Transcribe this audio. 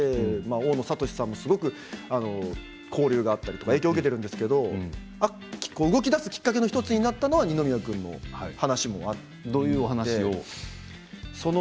大野智さんも、すごく交流があったり影響を受けているんですけれど動きだすきっかけの１つになったのは二宮君の話です。